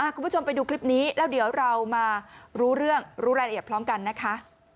คุณผู้ชมไปดูคลิปนี้แล้วเดี๋ยวเรามารู้เรื่องรู้รายละเอียดพร้อมกันนะคะ